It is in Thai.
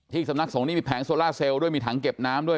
ที่สำนักสงฆ์นั้นมีแอลอร์ซาเซลห์ด้วยถังเก็บน้ำด้วย